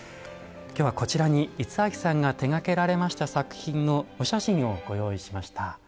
今日はこちらに五明さんが手がけられました作品のお写真をご用意しました。